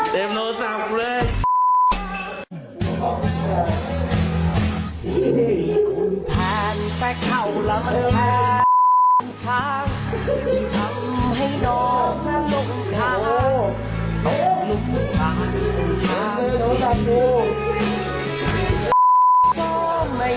เต็มโนโทรศาสตร์เขาเลย